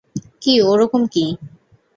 কি ওরকম কি?